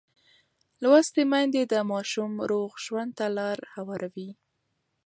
لوستې میندې د ماشوم روغ ژوند ته لار هواروي.